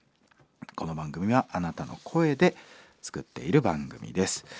この番組はあなたの声で作っている番組です。